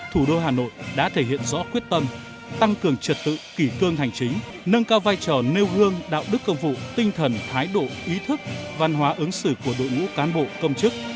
thủ đô hà nội đã thể hiện rõ quyết tâm tăng cường trật tự kỷ cương hành chính nâng cao vai trò nêu gương đạo đức công vụ tinh thần thái độ ý thức văn hóa ứng xử của đội ngũ cán bộ công chức